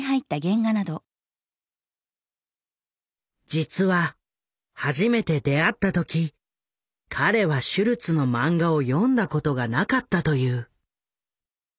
実は初めて出会った時彼はシュルツのマンガを読んだことがなかったという。